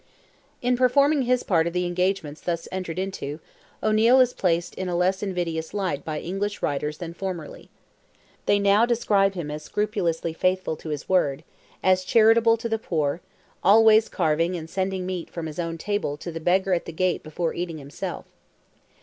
In performing his part of the engagements thus entered into, O'Neil is placed in a less invidious light by English writers than formerly. They now describe him as scrupulously faithful to his word; as charitable to the poor, always carving and sending meat from his own table to the beggar at the gate before eating himself.